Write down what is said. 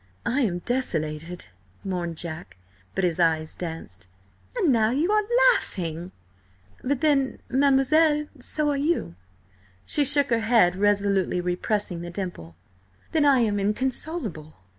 "I am desolated," mourned Jack, but his eyes danced. "And now you are laughing!" "But then, mademoiselle, so are you!" She shook her head, resolutely repressing the dimple. "Then I am inconsolable."